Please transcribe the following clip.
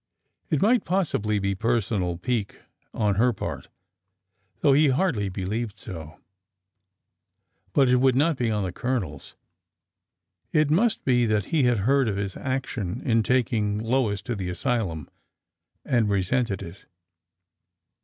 It might possibly be personal pique on her part,— though he hardly be lieved so,— but it would not be on the Colonel's. It must be that he had heard of his action in taking Lois to the asylum and resented it.